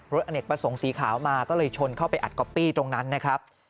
อเนกประสงค์สีขาวมาก็เลยชนเข้าไปอัดก๊อปปี้ตรงนั้นนะครับ